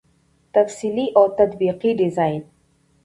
تفصیلي او تطبیقي ډيزاين